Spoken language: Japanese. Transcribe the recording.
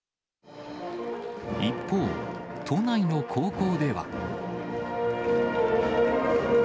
一方、都内の高校では。